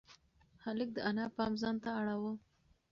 هلک د انا پام ځان ته اړاوه.